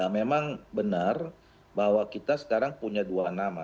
memang benar bahwa kita sekarang punya dua nama